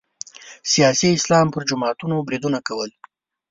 سیاسي اسلام پر جماعتونو بریدونه کول